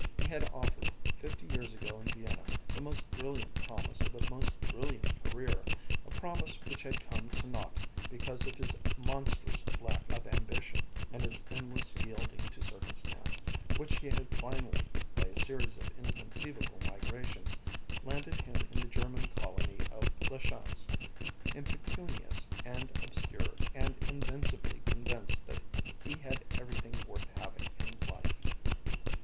He had offered, fifty years ago in Vienna, the most brilliant promise of a most brilliant career, a promise which had come to naught because of his monstrous lack of ambition, and his endless yielding to circumstance, which had finally, by a series of inconceivable migrations, landed him in the German colony of La Chance, impecunious and obscure and invincibly convinced that he had everything worth having in life.